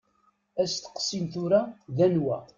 Asteqsi n tura d anwa.